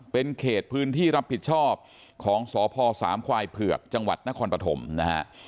เป็นเขตพื้นที่รับผิดชอบของสพสามควายเผือกจังหวัดนครปฐมนะฮะ